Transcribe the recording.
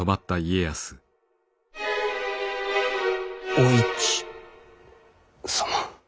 お市様？